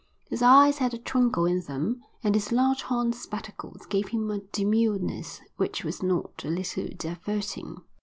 His eyes had a twinkle in them and his large horn spectacles gave him a demureness which was not a little diverting.